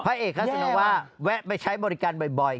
เอกคัสโนว่าแวะไปใช้บริการบ่อย